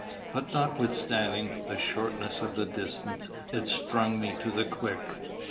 But notwithstanding the shortness of the distance it stung me to the quick.